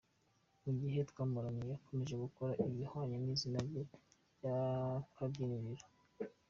Mu gihe twamaranye, yakomeje gukora ibihwanye n’izina rye ry’akabyiniriro.